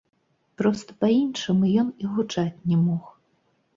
Проста па-іншаму ён і гучаць не мог!